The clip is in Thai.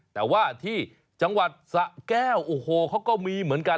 แต่ว่าที่จังหวัดสะแก้วโอ้โหเขาก็มีเหมือนกัน